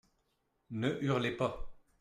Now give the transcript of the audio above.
Ne hurlez pas.